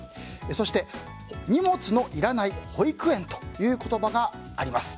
そして、荷物のいらない保育園という言葉があります。